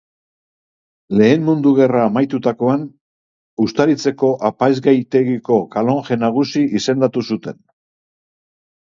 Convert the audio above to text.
Lehen Mundu Gerra amaitutakoan, Uztaritzeko apaizgaitegiko kalonje nagusi izendatu zuten.